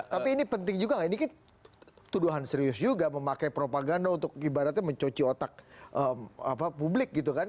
tapi ini penting juga nggak ini kan tuduhan serius juga memakai propaganda untuk ibaratnya mencuci otak publik gitu kan